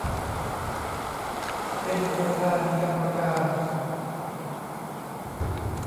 เป็นประธานกรรมการ